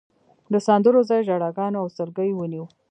د سندرو ځای ژړاګانو او سلګیو ونیو.